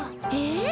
え？